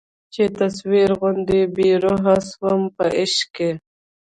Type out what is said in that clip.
چي تصویر غوندي بې روح سومه په عشق کي